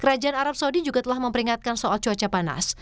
kerajaan arab saudi juga telah memperingatkan soal cuaca panas